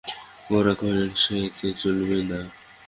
গোরা কহিল, সে তো চলবেই না।